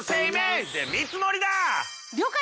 了解！